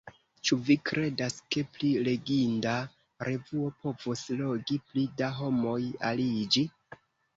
Ĉu vi kredas, ke pli leginda revuo povus logi pli da homoj aliĝi?